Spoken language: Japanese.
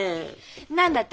何だって？